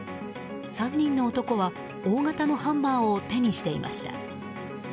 ３人の男は大型のハンマーを手にしていました。